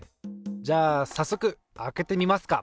じゃあさっそく開けてみますか。